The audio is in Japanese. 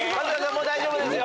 もう大丈夫ですよ。